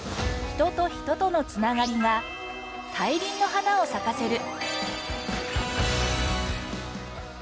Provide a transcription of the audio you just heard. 人と人との繋がりが大輪の花を咲かせる。